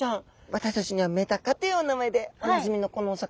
私たちには「メダカ」というお名前でおなじみのこのお魚ちゃん。